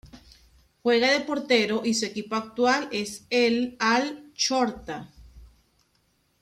Juega de portero y su equipo actual es el Al-Shorta.